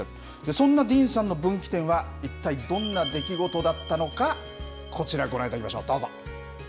そんなディーンさんの分岐点は一体どんな出来事だったのか、こちら、ご覧いただきましょう、どうぞ。